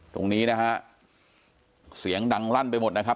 ตรงนี้นะฮะเสียงดังลั่นไปหมดนะครับ